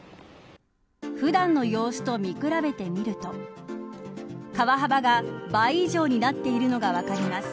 普段の様子と見比べてみると川幅が倍以上になっているのが分かります。